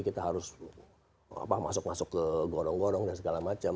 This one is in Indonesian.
kita harus masuk masuk ke gorong gorong dan segala macam